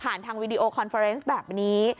ผ่านทางวิดีโอคอนเฟอร์เอนซ์แบบนี้